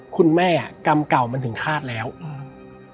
คุณแม่อ่ะกรรมเก่ามันถึงฆาตแล้วอืม